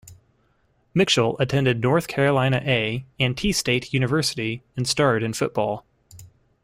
Mitchell attended North Carolina A and T State University and starred in football.